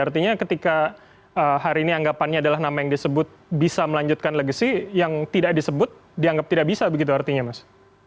artinya ketika hari ini anggapannya adalah nama yang disebut bisa melanjutkan legasi yang tidak disebut dianggap tidak bisa begitu artinya mas